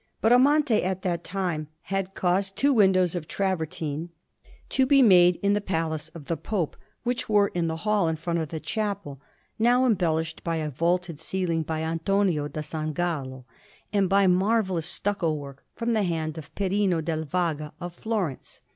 Bramante at that time had caused two windows of travertine to be made in the Palace of the Pope, which were in the hall in front of the chapel, now embellished by a vaulted ceiling by Antonio da San Gallo, and by marvellous stucco work from the hand of Perino del Vaga of Florence.